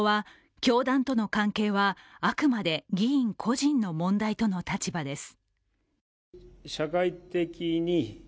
自民党は教団との関係はあくまで議員個人の問題との立場です。